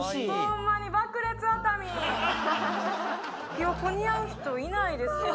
ヒヨコ似合う人いないですよ。